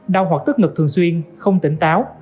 đau hoặc tức ngực thường xuyên không tỉnh táo